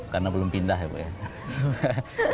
karena belum pindah ya pak ya